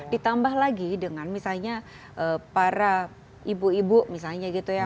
ditambah lagi dengan misalnya para ibu ibu misalnya gitu ya